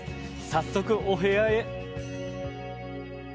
早速お部屋へ。